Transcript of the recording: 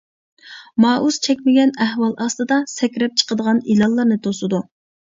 مائۇس چەكمىگەن ئەھۋال ئاستىدا سەكرەپ چىقىدىغان ئېلانلارنى توسىدۇ.